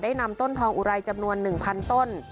ได้นำต้นท้องอูไรจำนวนหนึ่งพันธุ์ต้น